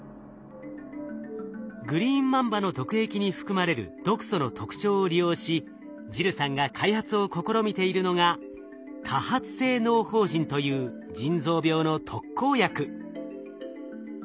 グリーンマンバの毒液に含まれる毒素の特徴を利用しジルさんが開発を試みているのがという腎臓病の特効薬。